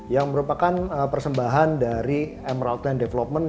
yang merupakan persembahan dari emerald land development